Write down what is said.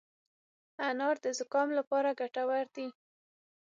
انار د زکام لپاره ګټور دی.